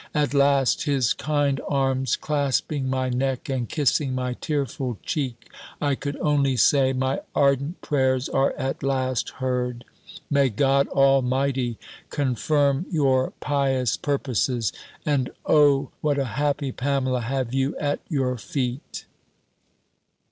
At last, his kind arms clasping my neck, and kissing my tearful cheek, I could only say "My ardent prayers, are at last heard May God Almighty confirm your pious purposes! And, Oh I what a happy Pamela have you at your feet!"